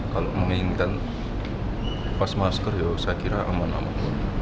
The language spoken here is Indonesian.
kalau menginginkan pas masker ya saya kira aman aman